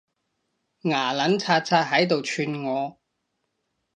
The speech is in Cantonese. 牙撚擦擦喺度串我